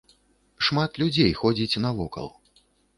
Шмат людзей ходзіць навокал.